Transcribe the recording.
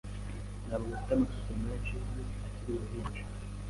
ntabwo afite amafoto menshi ye akiri uruhinja.